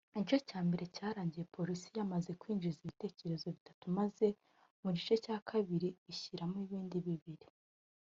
Igice cya mbere cyarangiye Police yamaze kwinjiza ibitego bitatu maze mu gice cya kabiri ishyiramo ibindi bibiri